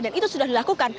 dan itu sudah dilakukan